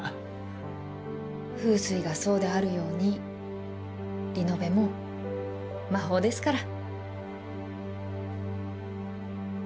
風水がそうであるようにリノベも魔法ですから。